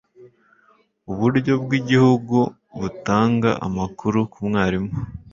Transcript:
uburyo bw'igihugu butanga amakuru ku mwarimu